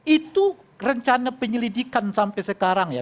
itu rencana penyelidikan sampai sekarang ya